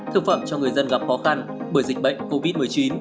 thực phẩm cho người dân gặp khó khăn bởi dịch bệnh covid một mươi chín